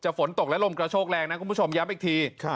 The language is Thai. ฝนตกและลมกระโชกแรงนะคุณผู้ชมย้ำอีกที